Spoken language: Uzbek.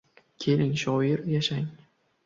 — Keling, shoir, yashang!